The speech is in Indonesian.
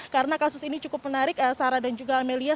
karena kasus ini cukup menarik sarah dan juga amelia